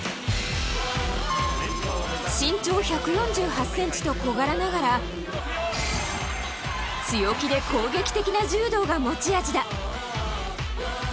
身長１４８ｃｍと小柄ながら強気で攻撃的な柔道が持ち味だ。